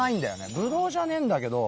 ブドウじゃねえんだけど。